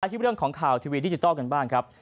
ที่เรื่องของข่าวทีวีดิจิทัลกันบ้างครับ